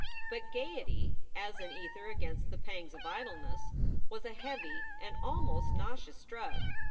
But gayety as an ether against the pangs of idleness was a heavy, an almost nauseous, drug.